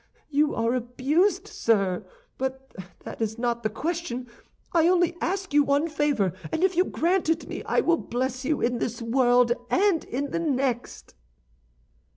You are abused, sir; but that is not the question. I only ask you one favor; and if you grant it me, I will bless you in this world and in the next."